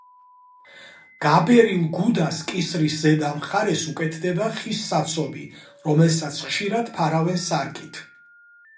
გაბერილ გუდას კისრის ზედა მხარეს უკეთდება ხის საცობი, რომელსაც ხშირად ფარავენ სარკით.